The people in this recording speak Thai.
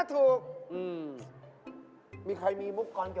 รักไหมเป็นแค่